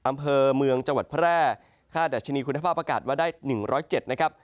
อำเภอเมืองจังหวัดแพร่ค่าดัชนีคุณภาพอากาศว่าได้๑๐๗นะครับ